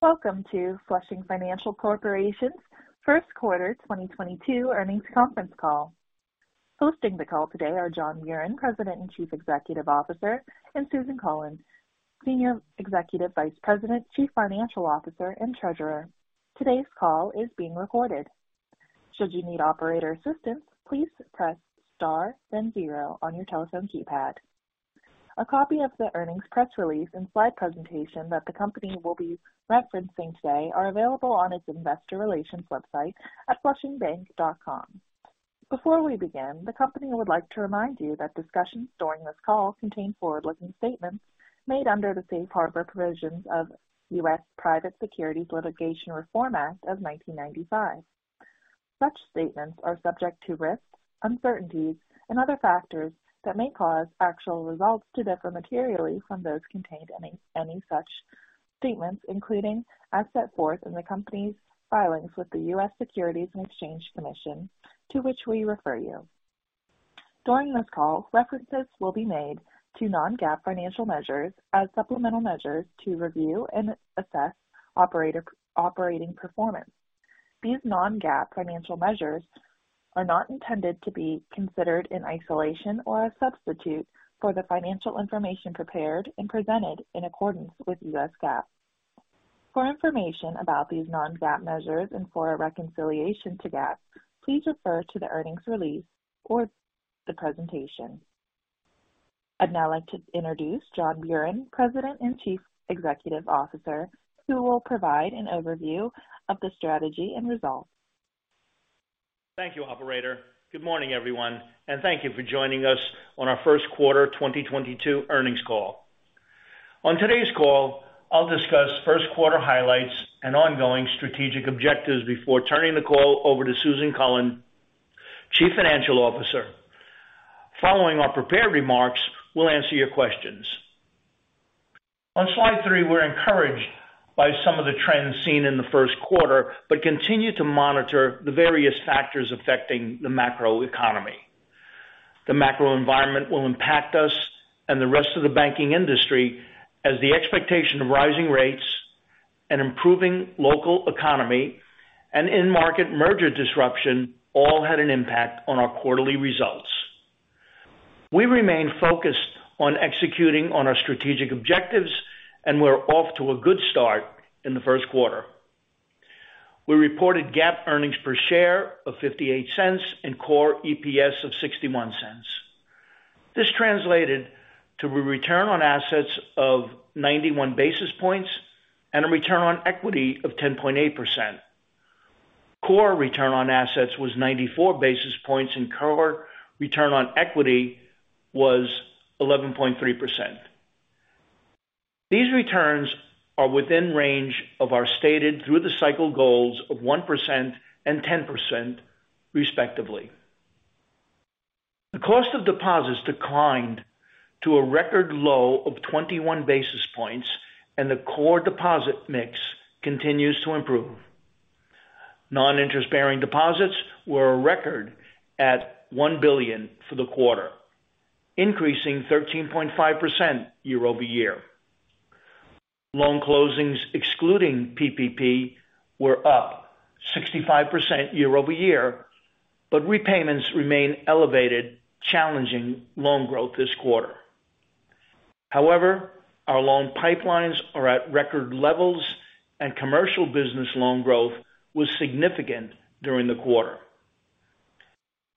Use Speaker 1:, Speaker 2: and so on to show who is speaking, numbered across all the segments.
Speaker 1: Welcome to Flushing Financial Corporation's first quarter 2022 earnings conference call. Hosting the call today are John Buran, President and Chief Executive Officer, and Susan Cullen, Senior Executive Vice President, Chief Financial Officer, and Treasurer. Today's call is being recorded. Should you need operator assistance, please press Star, then zero on your telephone keypad. A copy of the earnings press release and slide presentation that the company will be referencing today are available on its investor relations website at flushingbank.com. Before we begin, the company would like to remind you that discussions during this call contain forward-looking statements made under the safe harbor provisions of U\.S. Private Securities Litigation Reform Act of 1995. Such statements are subject to risks, uncertainties, and other factors that may cause actual results to differ materially from those contained in any such statements, including as set forth in the Company's filings with the U.S. Securities and Exchange Commission, to which we refer you. During this call, references will be made to non-GAAP financial measures as supplemental measures to review and assess operating performance. These non-GAAP financial measures are not intended to be considered in isolation or a substitute for the financial information prepared and presented in accordance with U.S. GAAP. For information about these non-GAAP measures and for a reconciliation to GAAP, please refer to the earnings release or the presentation. I'd now like to introduce John Buran, President and Chief Executive Officer, who will provide an overview of the strategy and results.
Speaker 2: Thank you, operator. Good morning, everyone, and thank you for joining us on our first quarter 2022 earnings call. On today's call, I'll discuss first quarter highlights and ongoing strategic objectives before turning the call over to Susan Cullen, Chief Financial Officer. Following our prepared remarks, we'll answer your questions. On slide 3, we're encouraged by some of the trends seen in the first quarter, but continue to monitor the various factors affecting the macro economy. The macro environment will impact us and the rest of the banking industry as the expectation of rising rates and improving local economy and in-market merger disruption all had an impact on our quarterly results. We remain focused on executing on our strategic objectives, and we're off to a good start in the first quarter. We reported GAAP earnings per share of $0.58 and core EPS of $0.61. This translated to a return on assets of 91 basis points and a return on equity of 10.8%. Core return on assets was 94 basis points, and core return on equity was 11.3%. These returns are within range of our stated through-the-cycle goals of 1% and 10%, respectively. The cost of deposits declined to a record low of 21 basis points, and the core deposit mix continues to improve. Non-interest-bearing deposits were a record at $1 billion for the quarter, increasing 13.5% year-over-year. Loan closings, excluding PPP, were up 65% year-over-year, but repayments remain elevated, challenging loan growth this quarter. However, our loan pipelines are at record levels, and commercial business loan growth was significant during the quarter.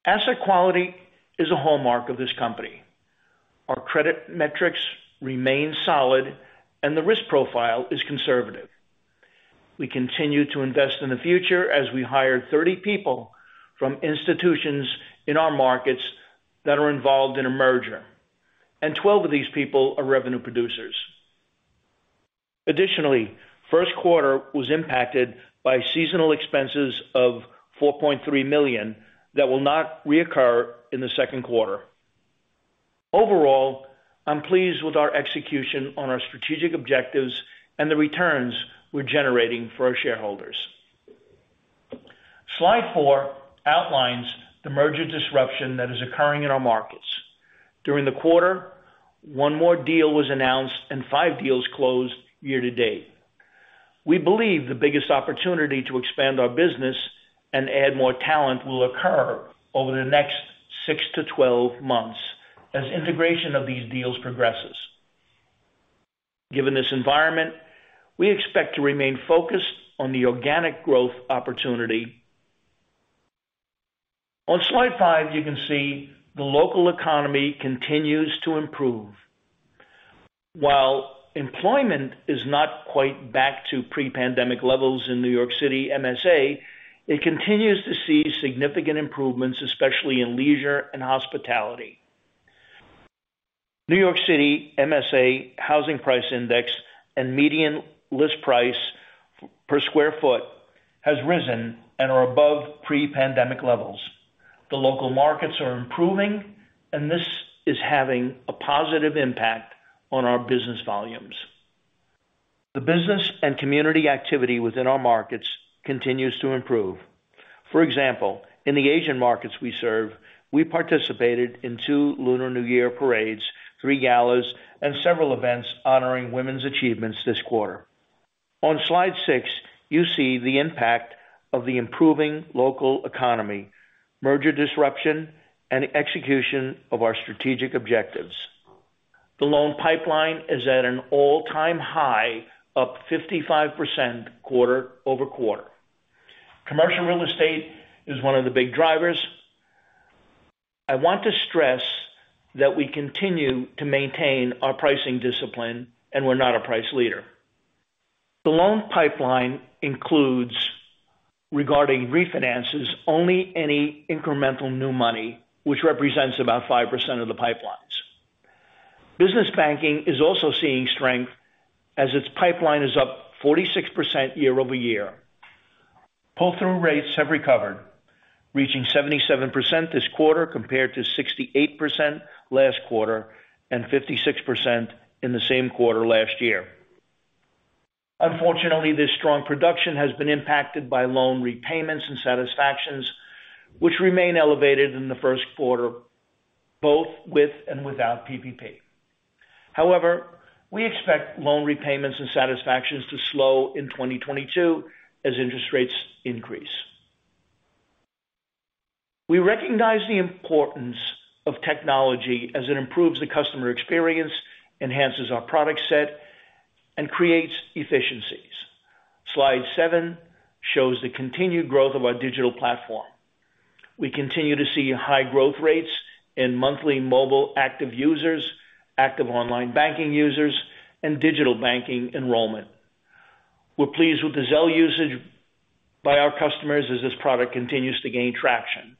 Speaker 2: Asset quality is a hallmark of this company. Our credit metrics remain solid and the risk profile is conservative. We continue to invest in the future as we hire 30 people from institutions in our markets that are involved in a merger, and 12 of these people are revenue producers. Additionally, first quarter was impacted by seasonal expenses of $4.3 million that will not reoccur in the second quarter. Overall, I'm pleased with our execution on our strategic objectives and the returns we're generating for our shareholders. Slide four outlines the merger disruption that is occurring in our markets. During the quarter, one more deal was announced and five deals closed year to date. We believe the biggest opportunity to expand our business and add more talent will occur over the next six to 12 months as integration of these deals progresses. Given this environment, we expect to remain focused on the organic growth opportunity. On slide five, you can see the local economy continues to improve. While employment is not quite back to pre-pandemic levels in New York City MSA, it continues to see significant improvements, especially in leisure and hospitality. New York City MSA housing price index and median list price per sq ft has risen and are above pre-pandemic levels. The local markets are improving, and this is having a positive impact on our business volumes. The business and community activity within our markets continues to improve. For example, in the Asian markets we serve, we participated in two Lunar New Year parades, three galas, and several events honoring women's achievements this quarter. On slide six, you see the impact of the improving local economy, merger disruption, and execution of our strategic objectives. The loan pipeline is at an all-time high of 55% quarter-over-quarter. Commercial real estate is one of the big drivers. I want to stress that we continue to maintain our pricing discipline, and we're not a price leader. The loan pipeline includes, regarding refinances, only any incremental new money which represents about 5% of the pipelines. Business banking is also seeing strength as its pipeline is up 46% year-over-year. Pull-through rates have recovered, reaching 77% this quarter compared to 68% last quarter and 56% in the same quarter last year. Unfortunately, this strong production has been impacted by loan repayments and satisfactions which remain elevated in the first quarter, both with and without PPP. However, we expect loan repayments and satisfactions to slow in 2022 as interest rates increase. We recognize the importance of technology as it improves the customer experience, enhances our product set, and creates efficiencies. Slide seven shows the continued growth of our digital platform. We continue to see high growth rates in monthly mobile active users, active online banking users, and digital banking enrollment. We're pleased with the Zelle usage by our customers as this product continues to gain traction.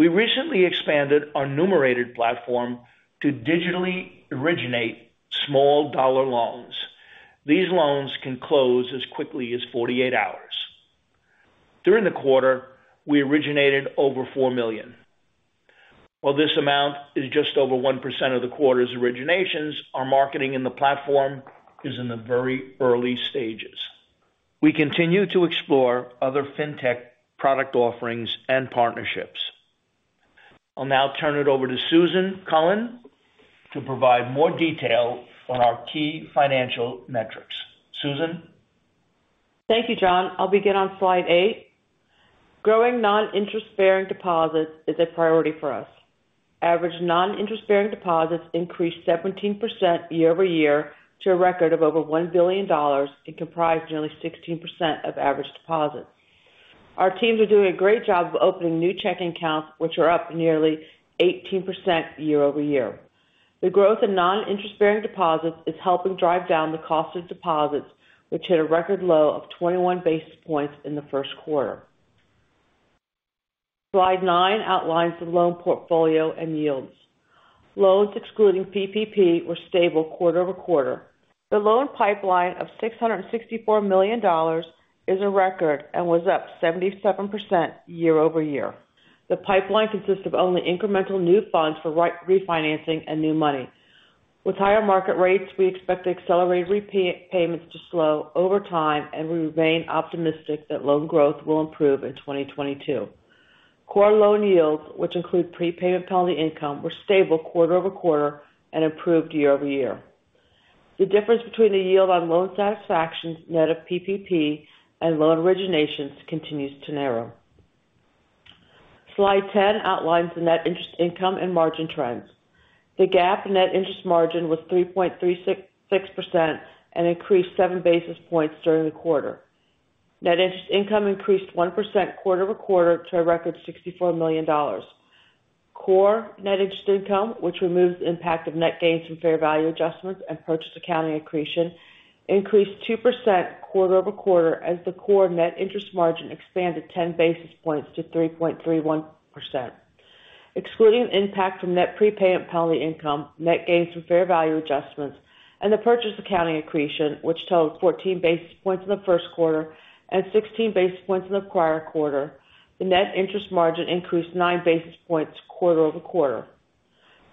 Speaker 2: We recently expanded our Numerated platform to digitally originate small dollar loans. These loans can close as quickly as 48 hours. During the quarter, we originated over $4 million. While this amount is just over 1% of the quarter's originations, our marketing in the platform is in the very early stages. We continue to explore other fintech product offerings and partnerships. I'll now turn it over to Susan Cullen to provide more detail on our key financial metrics. Susan?
Speaker 3: Thank you, John. I'll begin on slide eight. Growing non-interest-bearing deposits is a priority for us. Average non-interest-bearing deposits increased 17% year-over-year to a record of over $1 billion. It comprised nearly 16% of average deposits. Our teams are doing a great job of opening new checking accounts, which are up nearly 18% year-over-year. The growth in non-interest-bearing deposits is helping drive down the cost of deposits, which hit a record low of 21 basis points in the first quarter. Slide nine outlines the loan portfolio and yields. Loans excluding PPP were stable quarter-over-quarter. The loan pipeline of $664 million is a record and was up 77% year-over-year. The pipeline consists of only incremental new funds for refinancing and new money. With higher market rates, we expect accelerated repayments to slow over time, and we remain optimistic that loan growth will improve in 2022. Core loan yields, which include prepayment penalty income, were stable quarter-over-quarter and improved year-over-year. The difference between the yield on loan satisfactions net of PPP and loan originations continues to narrow. Slide 10 outlines the net interest income and margin trends. The GAAP net interest margin was 3.366% and increased seven basis points during the quarter. Net interest income increased 1% quarter-over-quarter to a record $64 million. Core net interest income, which removes the impact of net gains from fair value adjustments and purchase accounting accretion, increased 2% quarter-over-quarter as the core net interest margin expanded ten basis points to 3.31%. Excluding impact from net prepayment penalty income, net gains from fair value adjustments, and the purchase accounting accretion, which totaled 14 basis points in the first quarter and 16 basis points in the prior quarter, the net interest margin increased 9 basis points quarter-over-quarter.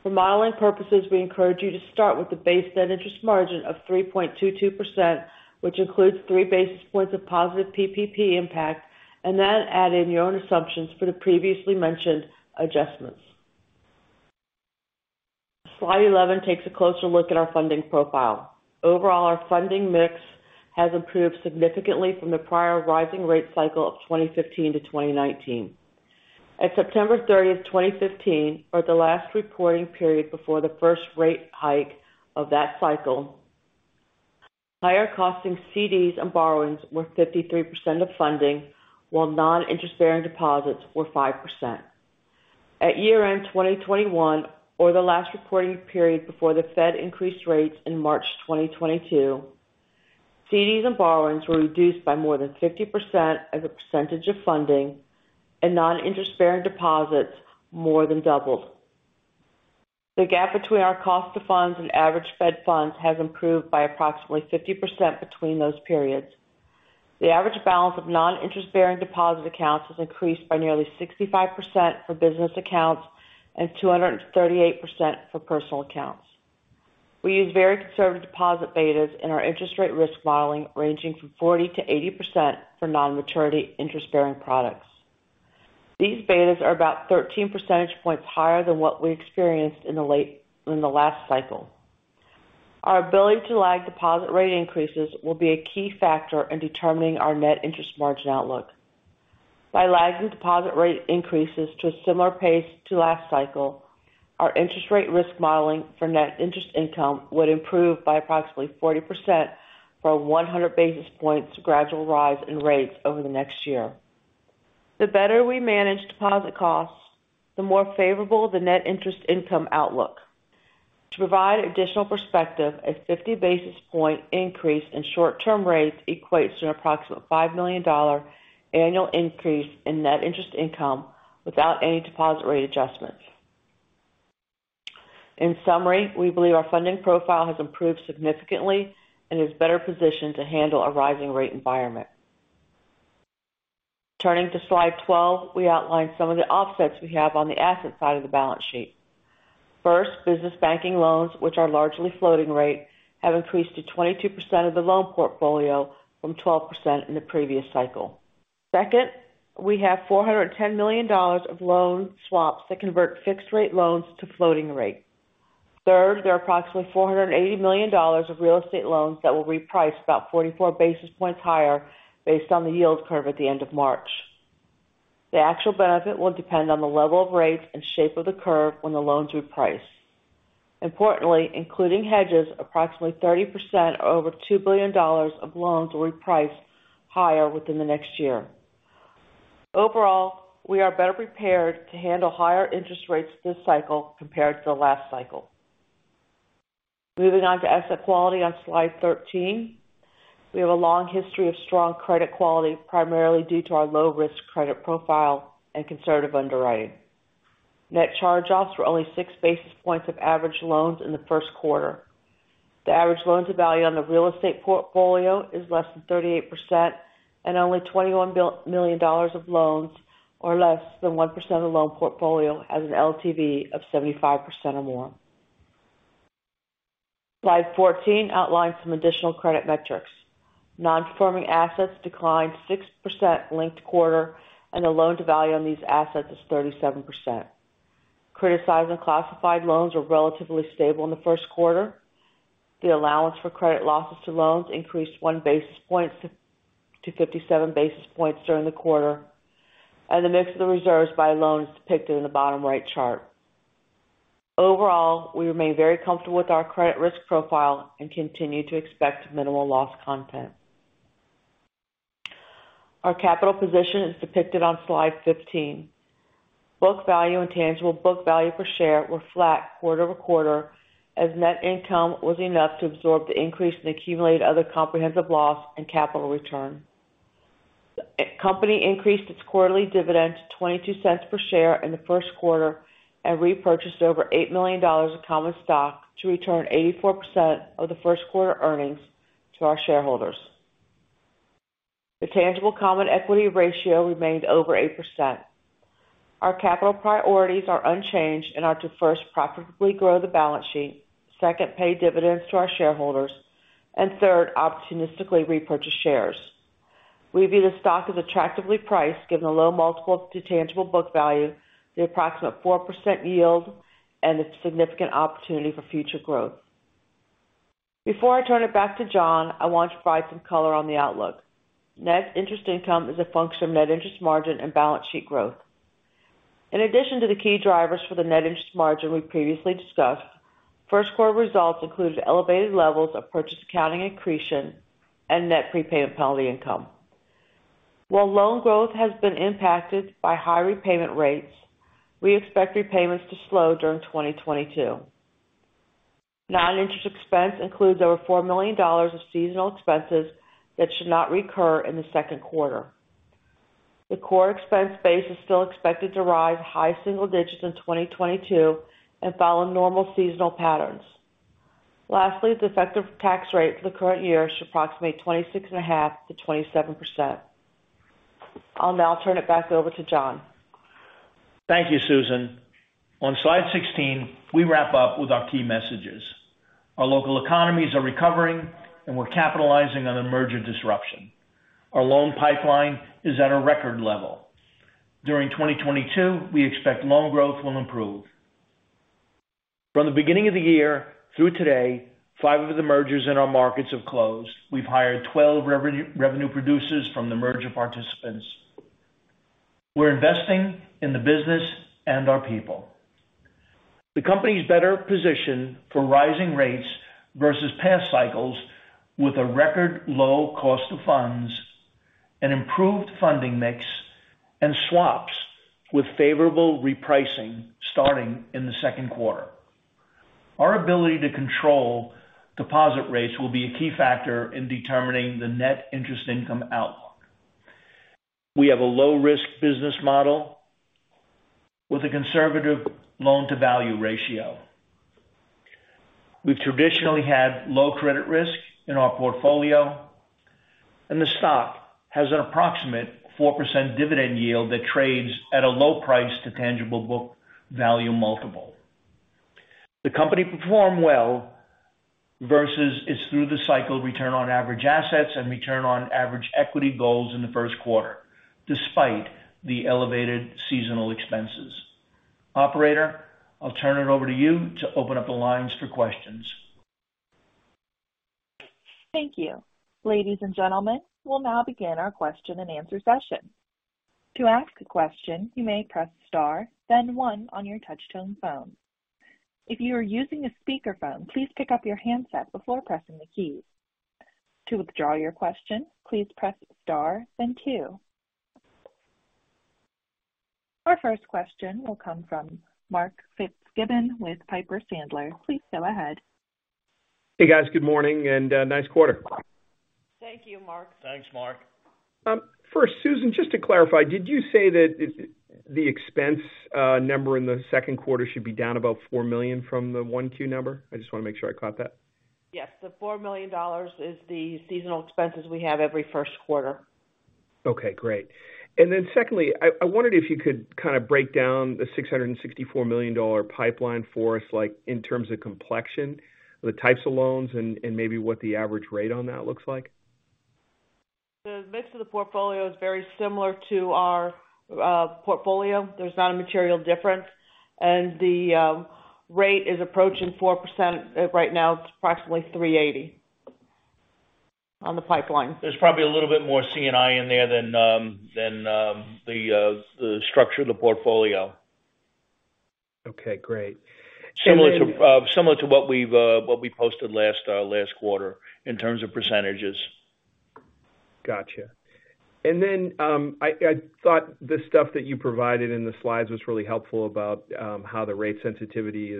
Speaker 3: For modeling purposes, we encourage you to start with the base net interest margin of 3.22%, which includes 3 basis points of positive PPP impact, and then add in your own assumptions for the previously mentioned adjustments. Slide 11 takes a closer look at our funding profile. Overall, our funding mix has improved significantly from the prior rising rate cycle of 2015-2019. At September 30th, 2015, or the last reporting period before the first rate hike of that cycle, higher costing CDs and borrowings were 53% of funding, while non-interest-bearing deposits were 5%. At year-end 2021, or the last reporting period before the Fed increased rates in March 2022, CDs and borrowings were reduced by more than 50% as a percentage of funding and non-interest-bearing deposits more than doubled. The gap between our cost of funds and average Fed funds has improved by approximately 50% between those periods. The average balance of non-interest-bearing deposit accounts has increased by nearly 65% for business accounts and 238% for personal accounts. We use very conservative deposit betas in our interest rate risk modeling, ranging from 40%-80% for non-maturity interest bearing products. These betas are about 13 percentage points higher than what we experienced in the last cycle. Our ability to lag deposit rate increases will be a key factor in determining our net interest margin outlook. By lagging deposit rate increases to a similar pace to last cycle, our interest rate risk modeling for net interest income would improve by approximately 40% for 100 basis points gradual rise in rates over the next year. The better we manage deposit costs, the more favorable the net interest income outlook. To provide additional perspective, a 50 basis point increase in short-term rates equates to an approximate $5 million annual increase in net interest income without any deposit rate adjustments. In summary, we believe our funding profile has improved significantly and is better positioned to handle a rising rate environment. Turning to slide 12, we outlined some of the offsets we have on the asset side of the balance sheet. First, business banking loans, which are largely floating rate, have increased to 22% of the loan portfolio from 12% in the previous cycle. Second, we have $410 million of loan swaps that convert fixed rate loans to floating rate. Third, there are approximately $480 million of real estate loans that will reprice about 44 basis points higher based on the yield curve at the end of March. The actual benefit will depend on the level of rates and shape of the curve when the loans reprice. Importantly, including hedges, approximately 30% or over $2 billion of loans will reprice higher within the next year. Overall, we are better prepared to handle higher interest rates this cycle compared to the last cycle. Moving on to asset quality on slide 13. We have a long history of strong credit quality, primarily due to our low risk credit profile and conservative underwriting. Net charge-offs were only 6 basis points of average loans in the first quarter. The average loan-to-value on the real estate portfolio is less than 38% and only $21 million of loans or less than 1% of loan portfolio has an LTV of 75% or more. Slide 14 outlines some additional credit metrics. Non-performing assets declined 6% linked-quarter, and the loan-to-value on these assets is 37%. Criticized and classified loans are relatively stable in the first quarter. The allowance for credit losses to loans increased 1 basis point to 57 basis points during the quarter, and the mix of the reserves by loans depicted in the bottom right chart. Overall, we remain very comfortable with our credit risk profile and continue to expect minimal loss content. Our capital position is depicted on Slide 15. Book value and tangible book value per share were flat quarter-over-quarter as net income was enough to absorb the increase in accumulated other comprehensive loss and capital return. Company increased its quarterly dividend to $0.22 per share in the first quarter and repurchased over $8 million of common stock to return 84% of the first quarter earnings to our shareholders. The tangible common equity ratio remained over 8%. Our capital priorities are unchanged and are to first profitably grow the balance sheet, second, pay dividends to our shareholders, and third, opportunistically repurchase shares. We view the stock as attractively priced, given the low multiple to tangible book value, the approximate 4% yield, and the significant opportunity for future growth. Before I turn it back to John, I want to provide some color on the outlook. Net interest income is a function of net interest margin and balance sheet growth. In addition to the key drivers for the net interest margin we previously discussed, first quarter results included elevated levels of purchase accounting accretion and net prepayment penalty income. While loan growth has been impacted by high repayment rates, we expect repayments to slow during 2022. Non-interest expense includes over $4 million of seasonal expenses that should not recur in the second quarter. The core expense base is still expected to rise high single digits% in 2022 and follow normal seasonal patterns. Lastly, the effective tax rate for the current year should approximate 26.5%-27%. I'll now turn it back over to John.
Speaker 2: Thank you, Susan. On slide 16, we wrap up with our key messages. Our local economies are recovering, and we're capitalizing on a merger disruption. Our loan pipeline is at a record level. During 2022, we expect loan growth will improve. From the beginning of the year through today, five of the mergers in our markets have closed. We've hired 12 revenue producers from the merger participants. We're investing in the business and our people. The company is better positioned for rising rates versus past cycles with a record low cost of funds, an improved funding mix, and swaps with favorable repricing starting in the second quarter. Our ability to control deposit rates will be a key factor in determining the net interest income outlook. We have a low risk business model with a conservative loan to value ratio. We've traditionally had low credit risk in our portfolio. The stock has an approximate 4% dividend yield that trades at a low price to tangible book value multiple. The company performed well versus its through-the-cycle return on average assets and return on average equity goals in the first quarter, despite the elevated seasonal expenses. Operator, I'll turn it over to you to open up the lines for questions.
Speaker 1: Thank you. Ladies and gentlemen, we'll now begin our question-and-answer session. To ask a question, you may press star then one on your touchtone phone. If you are using a speakerphone, please pick up your handset before pressing the keys. To withdraw your question, please press star then two. Our first question will come from Mark Fitzgibbon with Piper Sandler. Please go ahead.
Speaker 4: Hey, guys. Good morning and, nice quarter.
Speaker 3: Thank you, Mark.
Speaker 2: Thanks, Mark.
Speaker 4: First, Susan, just to clarify, did you say that the expense number in the second quarter should be down about $4 million from the Q1 number? I just wanna make sure I caught that.
Speaker 3: Yes. The $4 million is the seasonal expenses we have every first quarter.
Speaker 4: Okay, great. Secondly, I wondered if you could kind of break down the $664 million pipeline for us, like in terms of complexion, the types of loans and maybe what the average rate on that looks like?
Speaker 3: The mix of the portfolio is very similar to our portfolio. There's not a material difference. The rate is approaching 4%. Right now, it's approximately 3.80% on the pipeline.
Speaker 2: There's probably a little bit more C&I in there than the structure of the portfolio.
Speaker 4: Okay, great.
Speaker 2: Similar to what we posted last quarter in terms of percentages.
Speaker 4: Gotcha. I thought the stuff that you provided in the slides was really helpful about how the rate sensitivity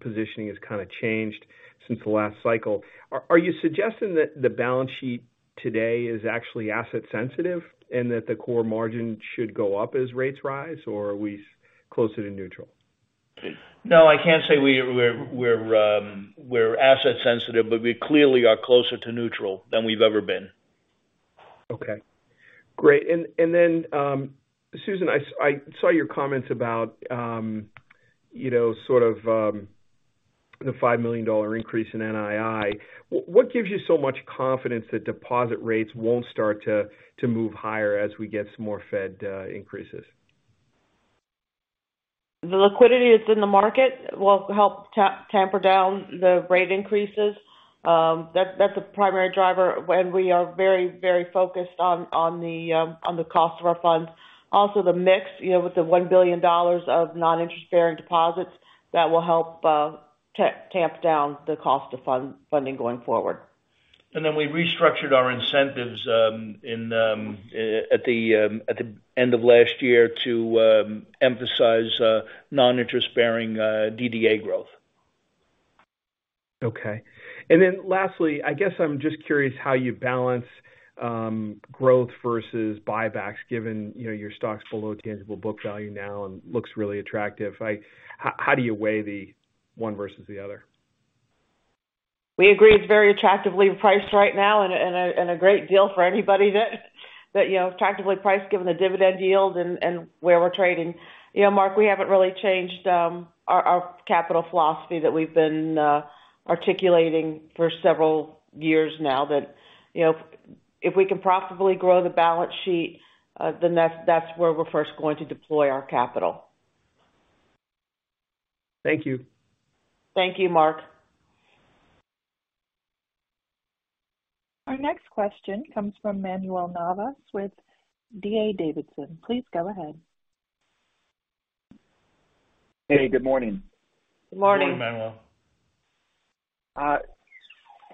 Speaker 4: positioning has kind of changed since the last cycle. Are you suggesting that the balance sheet today is actually asset sensitive and that the core margin should go up as rates rise, or are we closer to neutral?
Speaker 2: No, I can't say we're asset sensitive, but we clearly are closer to neutral than we've ever been.
Speaker 4: Okay, great. Susan, I saw your comments about, you know, sort of, the $5 million increase in NII. What gives you so much confidence that deposit rates won't start to move higher as we get some more Fed increases?
Speaker 3: The liquidity that's in the market will help tamp down the rate increases. That's a primary driver. We are very, very focused on the cost of our funds. Also the mix, you know, with the $1 billion of non-interest bearing deposits that will help tamp down the cost of funding going forward.
Speaker 2: We restructured our incentives at the end of last year to emphasize non-interest bearing DDA growth.
Speaker 4: Okay. Lastly, I guess I'm just curious how you balance growth versus buybacks, given, you know, your stock's below tangible book value now and looks really attractive. How do you weigh the one versus the other?
Speaker 3: We agree it's very attractively priced right now and a great deal for anybody that you know, attractively priced given the dividend yield and where we're trading. You know, Mark, we haven't really changed our capital philosophy that we've been articulating for several years now that, you know, if we can profitably grow the balance sheet, then that's where we're first going to deploy our capital.
Speaker 4: Thank you.
Speaker 3: Thank you, Mark.
Speaker 1: Our next question comes from Manuel Navas with D.A. Davidson & Co. Please go ahead.
Speaker 5: Hey, good morning.
Speaker 3: Good morning.
Speaker 2: Good morning, Manuel.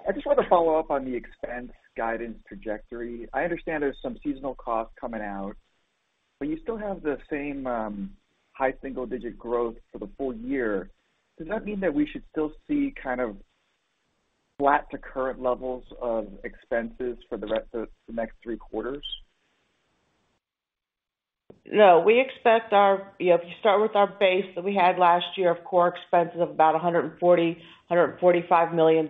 Speaker 5: I just want to follow up on the expense guidance trajectory. I understand there's some seasonal costs coming out, but you still have the same, high single digit growth for the full year. Does that mean that we should still see kind of flat to current levels of expenses for the rest of the next three quarters?
Speaker 3: No. You know, if you start with our base that we had last year of core expenses of about $140-$145 million,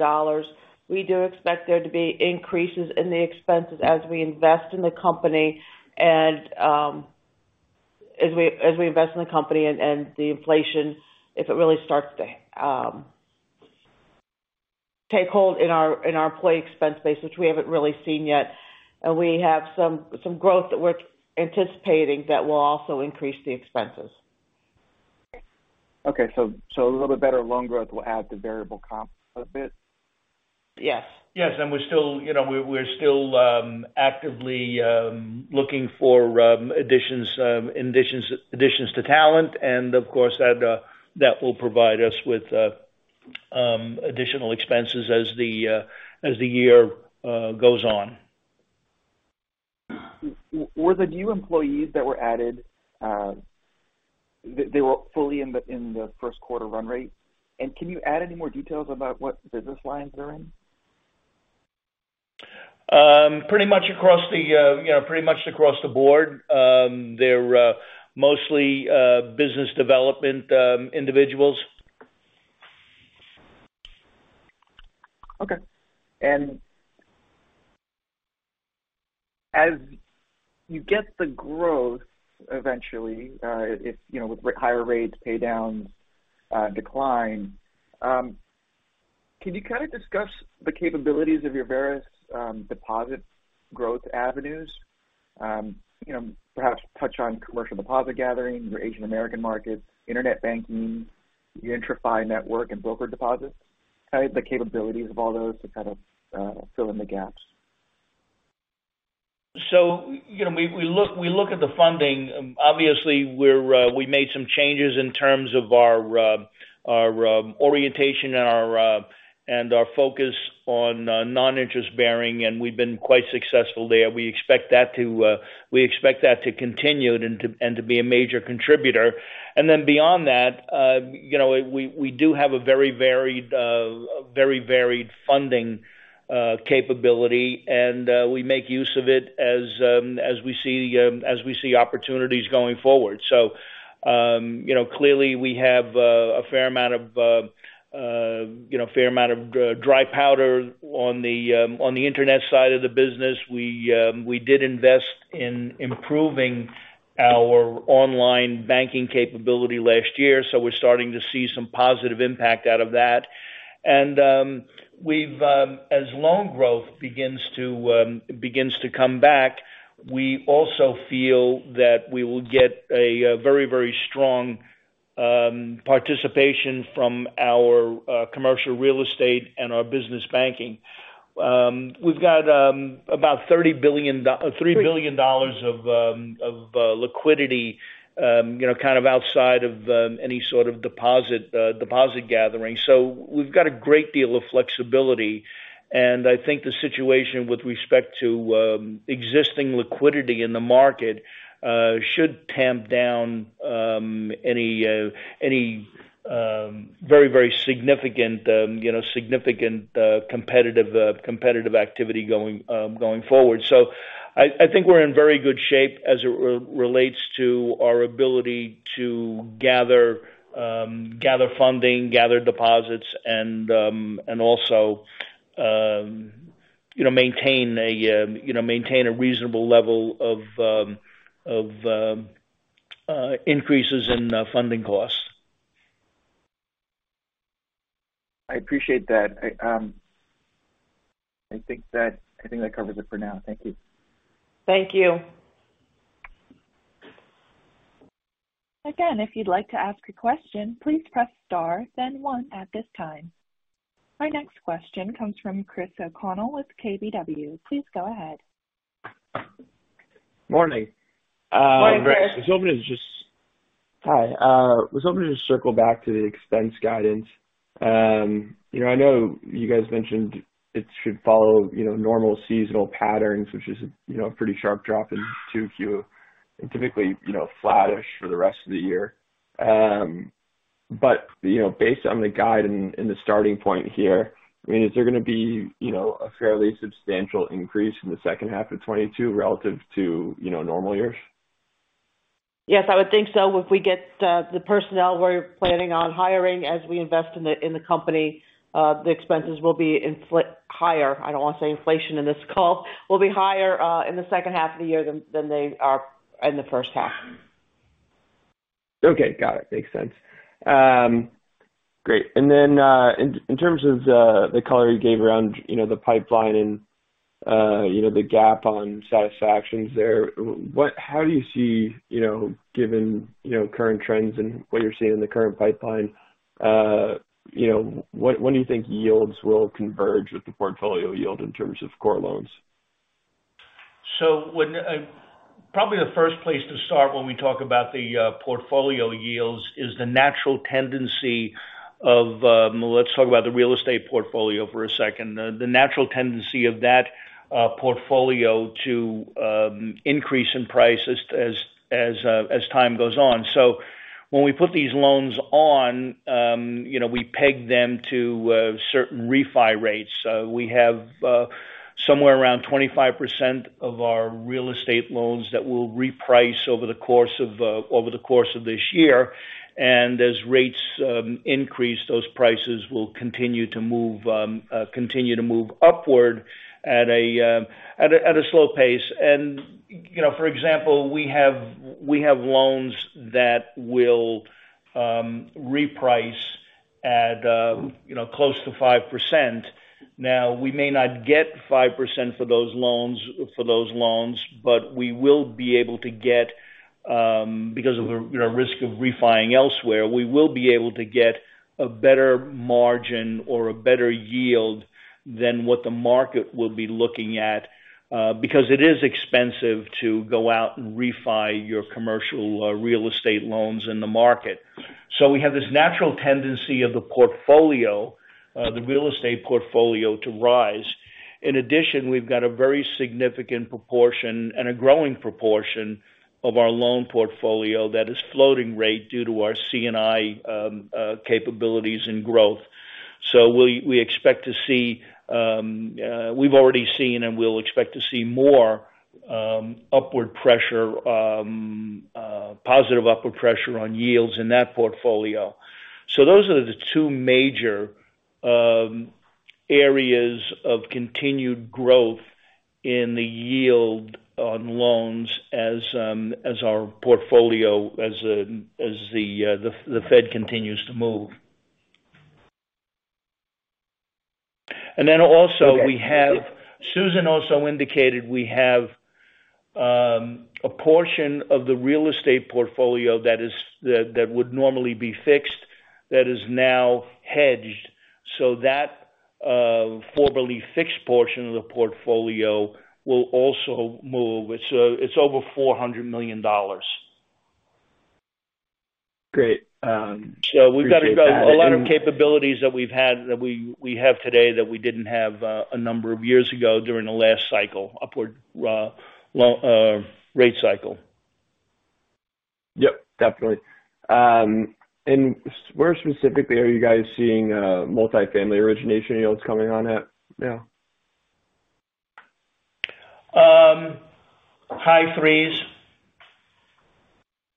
Speaker 3: we do expect there to be increases in the expenses as we invest in the company and the inflation, if it really starts to take hold in our employee expense base, which we haven't really seen yet. We have some growth that we're anticipating that will also increase the expenses.
Speaker 5: A little bit better loan growth will add to variable comp a bit?
Speaker 3: Yes.
Speaker 2: Yes. We're still, you know, actively looking for additions to talent and of course that will provide us with additional expenses as the year goes on.
Speaker 5: Were the new employees that were added, they were fully in the first quarter run rate? Can you add any more details about what business lines they're in?
Speaker 2: Pretty much across the board, you know. They're mostly business development individuals.
Speaker 5: Okay. As you get the growth eventually, if, you know, with higher rates pay down, decline, can you kind of discuss the capabilities of your various, deposit growth avenues? You know, perhaps touch on commercial deposit gathering, your Asian American markets, internet banking, your IntraFi network and broker deposits. Kind of the capabilities of all those to kind of, fill in the gaps.
Speaker 2: You know, we look at the funding. Obviously we made some changes in terms of our orientation and our focus on non-interest bearing, and we've been quite successful there. We expect that to continue and to be a major contributor. Then beyond that, you know, we do have a very varied funding capability. We make use of it as we see opportunities going forward. You know, clearly we have a fair amount of dry powder on the noninterest side of the business. We did invest in improving our online banking capability last year, so we're starting to see some positive impact out of that. We've as loan growth begins to come back, we also feel that we will get a very strong participation from our commercial real estate and our business banking. We've got about 30 billion do-
Speaker 5: Three-
Speaker 2: $3 billion of liquidity, you know, kind of outside of any sort of deposit gathering. We've got a great deal of flexibility. I think the situation with respect to existing liquidity in the market should tamp down any very significant competitive activity going forward. I think we're in very good shape as it relates to our ability to gather funding, gather deposits, and also maintain a reasonable level of increases in funding costs.
Speaker 5: I appreciate that. I think that covers it for now. Thank you.
Speaker 2: Thank you.
Speaker 1: Again, if you'd like to ask a question, please press star, then one at this time. Our next question comes from Chris O'Connell with KBW. Please go ahead.
Speaker 6: Morning.
Speaker 2: Morning, Chris.
Speaker 6: I was hoping to just circle back to the expense guidance. You know, I know you guys mentioned it should follow normal seasonal patterns, which is a pretty sharp drop in 2Q and typically flattish for the rest of the year. But you know, based on the guide and the starting point here, I mean, is there gonna be a fairly substantial increase in the second half of 2022 relative to normal years?
Speaker 2: Yes, I would think so. If we get the personnel we're planning on hiring as we invest in the company, the expenses will be higher. I don't want to say inflation in this call. Will be higher in the second half of the year than they are in the first half.
Speaker 6: Okay. Got it. Makes sense. Great. In terms of the color you gave around, you know, the pipeline and, you know, the gap on satisfactions there, how do you see, you know, given, you know, current trends and what you're seeing in the current pipeline, you know, when do you think yields will converge with the portfolio yield in terms of core loans?
Speaker 2: Probably the first place to start when we talk about the portfolio yields is the natural tendency of. Let's talk about the real estate portfolio for a second. The natural tendency of that portfolio to increase in price as time goes on. When we put these loans on, you know, we peg them to certain refi rates. We have somewhere around 25% of our real estate loans that will reprice over the course of this year. As rates increase, those prices will continue to move upward at a slow pace. You know, for example, we have loans that will reprice at, you know, close to 5%. Now we may not get 5% for those loans, but we will be able to get, because of the, you know, risk of refi-ing elsewhere, we will be able to get a better margin or a better yield than what the market will be looking at. Because it is expensive to go out and refi your commercial real estate loans in the market. We have this natural tendency of the portfolio, the real estate portfolio to rise. In addition, we've got a very significant proportion and a growing proportion of our loan portfolio that is floating rate due to our C&I capabilities and growth. We expect to see, we've already seen and we'll expect to see more upward pressure, positive upward pressure on yields in that portfolio. Those are the two major areas of continued growth in the yield on loans as our portfolio as the Fed continues to move. Susan also indicated we have a portion of the real estate portfolio that would normally be fixed that is now hedged. That formerly fixed portion of the portfolio will also move. It's over $400 million.
Speaker 6: Great. Appreciate that.
Speaker 2: We've got a lot of capabilities that we've had, that we have today that we didn't have a number of years ago during the last cycle. Upward rate cycle.
Speaker 6: Yep, definitely. Where specifically are you guys seeing multi-family origination yields coming in at now?
Speaker 2: High threes.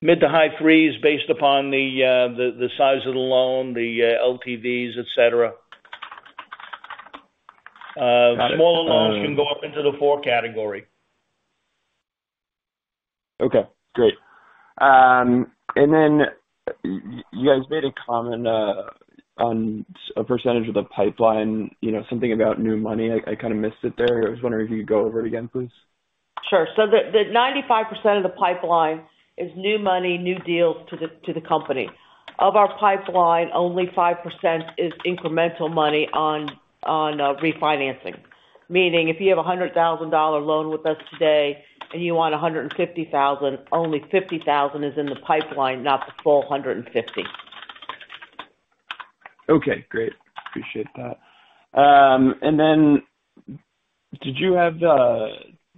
Speaker 2: Mid-to-high threes based upon the size of the loan, the LTVs, et cetera. Smaller loans can go up into the 4 category.
Speaker 6: Okay, great. You guys made a comment on a percentage of the pipeline, you know, something about new money. I kinda missed it there. I was wondering if you could go over it again, please.
Speaker 2: Sure. The 95% of the pipeline is new money, new deals to the company. Of our pipeline, only 5% is incremental money on refinancing. Meaning if you have a $100,000 loan with us today and you want a $150,000, only $50,000 is in the pipeline, not the full $150,000.
Speaker 6: Okay, great. Appreciate that.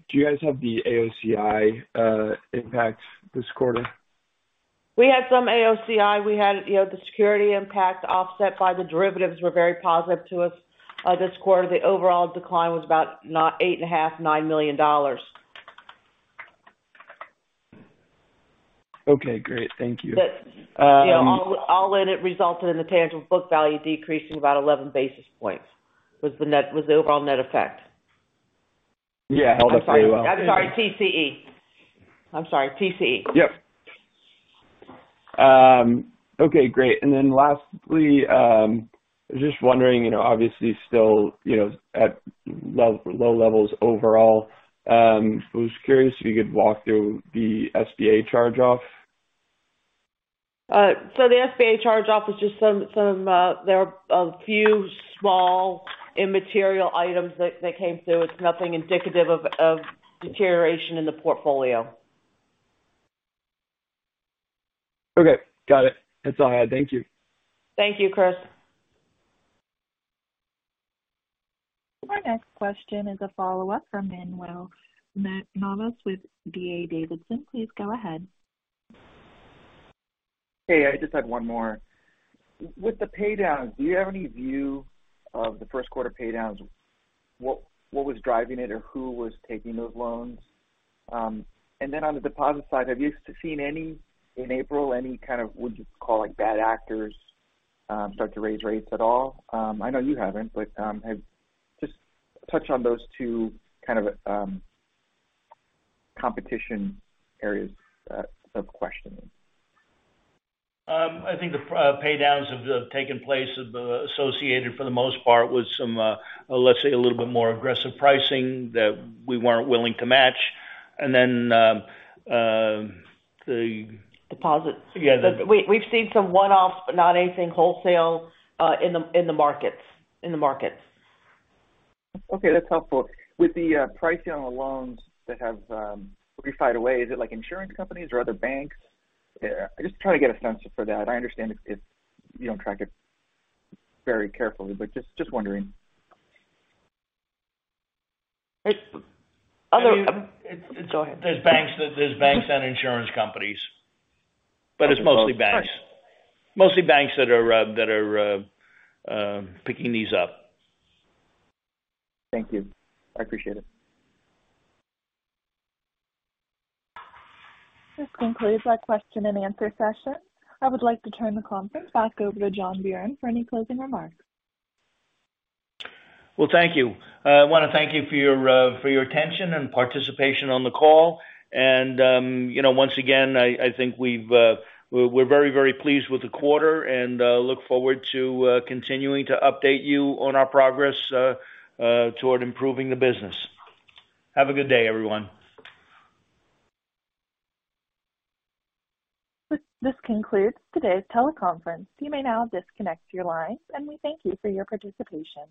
Speaker 6: Do you guys have the AOCI impact this quarter?
Speaker 2: We had some AOCI. We had, you know, the security impact offset by the derivatives were very positive to us this quarter. The overall decline was about 8.5-9 million.
Speaker 6: Okay, great. Thank you.
Speaker 2: You know, all in, it resulted in the tangible book value decreasing about 11 basis points. Was the overall net effect.
Speaker 6: Yeah, held up very well.
Speaker 2: I'm sorry, TCE.
Speaker 6: Yep. Okay, great. Then lastly, I was just wondering, you know, obviously still, you know, at low, low levels overall. I was curious if you could walk through the SBA charge-off.
Speaker 2: The SBA charge-off was just some. There are a few small immaterial items that came through. It's nothing indicative of deterioration in the portfolio.
Speaker 6: Okay, got it. That's all I had. Thank you.
Speaker 2: Thank you, Chris.
Speaker 1: Our next question is a follow-up from Manuel Navas with D.A. Davidson. Please go ahead.
Speaker 5: Hey, I just had one more. With the pay downs, do you have any view of the first quarter pay downs? What was driving it or who was taking those loans? On the deposit side, have you seen any in April, any kind of would you call, like, bad actors, start to raise rates at all? I know you haven't, but just touch on those two kind of competition areas of questioning.
Speaker 2: I think the pay downs have taken place, associated for the most part with some, let's say, a little bit more aggressive pricing that we weren't willing to match.
Speaker 5: Deposits. Yeah. The...
Speaker 2: We've seen some one-offs, but not anything wholesale, in the markets.
Speaker 5: Okay, that's helpful. With the pricing on the loans that have wholesale, is it like insurance companies or other banks? Just trying to get a sense for that. I understand if you don't track it very carefully, but just wondering.
Speaker 2: It's other.
Speaker 5: Can you-
Speaker 2: Go ahead. There's banks and insurance companies. It's mostly banks.
Speaker 5: All right.
Speaker 2: Mostly banks that are picking these up.
Speaker 5: Thank you. I appreciate it.
Speaker 1: This concludes our question and answer session. I would like to turn the conference back over to John Buran for any closing remarks.
Speaker 2: Well, thank you. I wanna thank you for your attention and participation on the call. You know, once again, I think we're very pleased with the quarter and look forward to continuing to update you on our progress toward improving the business. Have a good day, everyone.
Speaker 1: This concludes today's teleconference. You may now disconnect your lines, and we thank you for your participation.